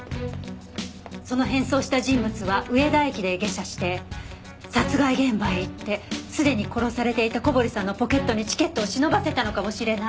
その変装した人物は上田駅で下車して殺害現場へ行ってすでに殺されていた小堀さんのポケットにチケットを忍ばせたのかもしれない。